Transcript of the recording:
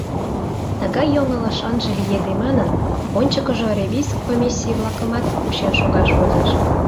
Тыгай йоҥылыш ынже лиеде манын, ончыкыжо ревиз комиссий-влакымат кучен шогаш возеш.